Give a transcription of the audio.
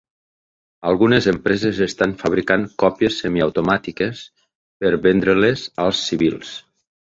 Algunes empreses estan fabricant còpies semiautomàtiques per vendre-les als civils.